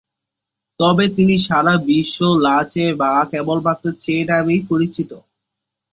তবে তিনি সারা বিশ্ব লা চে বা কেবলমাত্র চে নামেই পরিচিত।